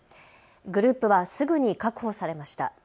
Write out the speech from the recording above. グループはすぐに確保されました。